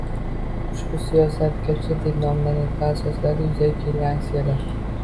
Ushbu “siyosatgacha” deb nomlanadigan asoslarda yuzaga kelgan aksiyalar